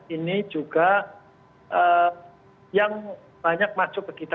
ini juga yang banyak masuk ke kita